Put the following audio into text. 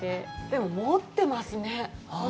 でも、持ってますね！